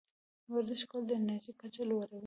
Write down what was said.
ورزش کول د انرژۍ کچه لوړوي.